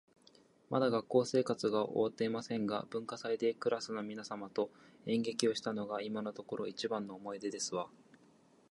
まだ高校生活が終わっておりませんが、文化祭でクラスの皆様と演劇をしたのが今のところ一番の思い出ですわ